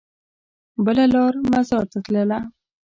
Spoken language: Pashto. بله لار مزار ته تلله.